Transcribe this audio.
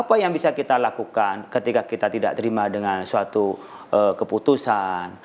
apa yang bisa kita lakukan ketika kita tidak terima dengan suatu keputusan